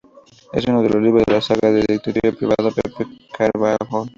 Es uno de los libros de la saga del detective privado Pepe Carvalho.